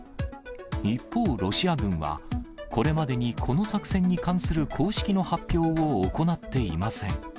一方、ロシア軍は、これまでにこの作戦に関する公式の発表を行っていません。